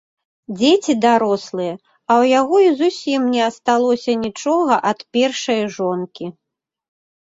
Дзеці дарослыя, а ў яго і зусім не асталося нічога ад першае жонкі.